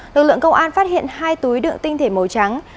lực lượng công an phát hiện hai túi đựng tinh thể màu trắng